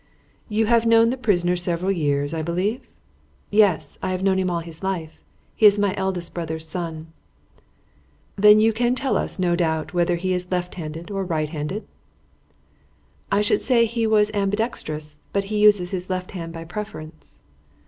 "You have known the prisoner several years, I believe?" "Yes; I have known him all his life. He is my eldest brother's son." "Then you can tell us, no doubt, whether he is left handed or right handed?" "I should say he was ambidextrous, but he uses his left hand by preference."